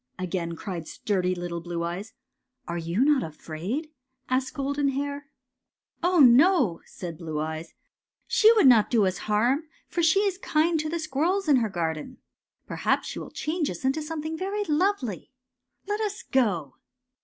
" again cried sturdy little Blue Eyes. ^^ Are you not afraid? " asked Golden Hair. 218 GOLDENEOD AND ASTER '' Oh, no/' said Blue E^^es, '' she would not do us harm, for she is kind to the squirrels in her garden. Perhaps she will change us into something very lovely. Let us go!